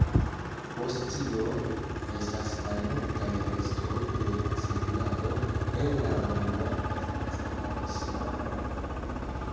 Post tio estas malmultaj restoj de setlado el la romia, bizanca kaj islama epokoj.